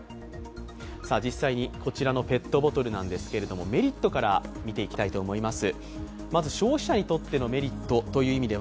実際にこちらのペットボトルなんですけども、メリットから見ていきたいと思います。